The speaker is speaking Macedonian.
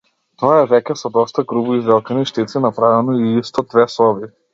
Тоа е веќе со доста грубо изделкани штици направено, и исто две соби.